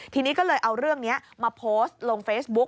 ทีนี้ก็เลยเอาเรื่องนี้มาโพสต์ลงเฟซบุ๊ก